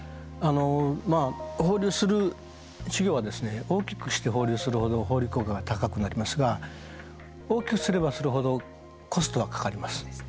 まあ放流する稚魚はですね大きくして放流するほど放流効果が高くなりますが大きくすればするほどコストはかかります。